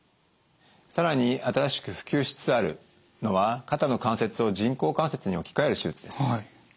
更に新しく普及しつつあるのは肩の関節を人工関節に置き換える手術です。